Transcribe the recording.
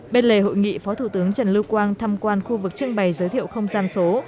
bên lề hội nghị phó thủ tướng trần lưu quang thăm quan khu vực trưng bày giới thiệu không gian số